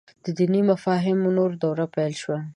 د دیني مفاهیمو نوې دوره پيل شوه.